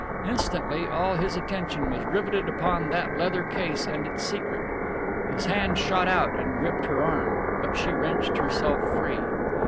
Instantly all his attention was riveted upon that leather case and its secret. His hand shot out and gripped her arm, but she wrenched herself free.